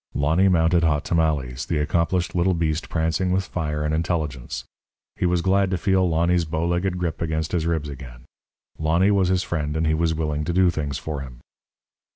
Lonny mounted Hot Tamales, the accomplished little beast prancing with fire and intelligence. He was glad to feel Lonny's bowlegged grip against his ribs again. Lonny was his friend, and he was willing to do things for him.